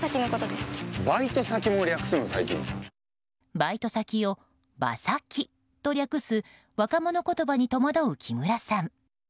バイト先をバサキと略す若者言葉に戸惑う木村さん。